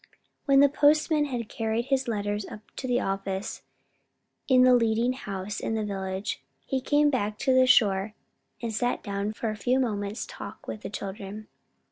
When the postman had carried his letters up to the office, in the leading house in the village, he came back to the shore and sat down for a few moments' talk with the children.